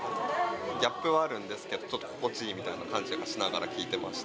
ギャップはあるんですけど、ちょっと心地いいみたいな感じがしながら聴いてました。